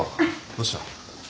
どうした？